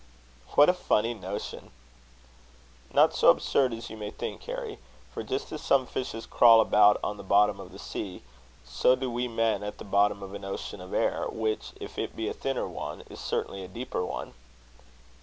"What a funny notion!" "Not so absurd as you may think, Harry; for just as some fishes crawl about on the bottom of the sea, so do we men at the bottom of an ocean of air; which, if it be a thinner one, is certainly a deeper one."